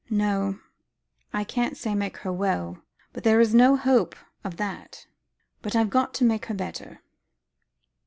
"No, I can't say 'make her well'; there is no hope of that; but I've got to make her better."